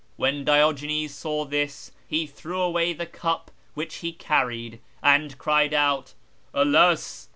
When Diogenes saw this, he threw away the cup which he carried, and cried out, ' Alas